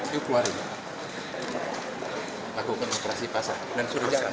yuk keluar lakukan operasi pasar dan suruh jalan